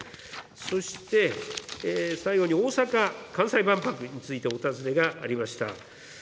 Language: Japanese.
そして、最後に大阪・関西万博についてお尋ねがありました。